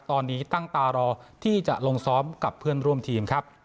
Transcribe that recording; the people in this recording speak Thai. ตอนนี้ตั้งตารอที่จะลงซ้อมกับเพื่อนร่วมทีมครับ